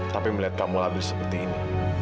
tapi melihat kamu habis seperti ini